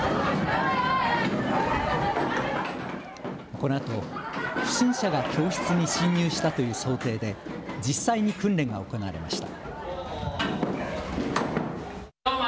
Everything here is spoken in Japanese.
このあと不審者が教室に侵入したという想定で実際に訓練が行われました。